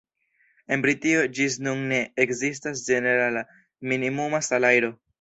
En Britio ĝis nun ne ekzistas ĝenerala minimuma salajro.